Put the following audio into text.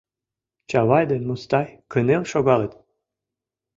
Чавай ден Мустай кынел шогалыт.